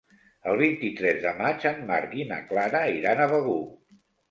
El vint-i-tres de maig en Marc i na Clara iran a Begur.